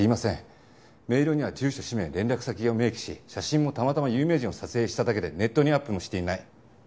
メールには住所氏名連絡先を明記し写真もたまたま有名人を撮影しただけでネットにアップもしていない。